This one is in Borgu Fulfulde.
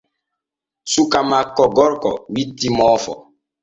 Suka makko gorko witti moofo.